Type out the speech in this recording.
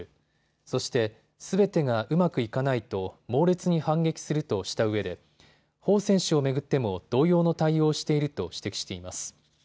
そして、すべてがうまくいかないと猛烈に反撃するとしたうえで彭選手を巡っても同様の対応をしていると指摘しています。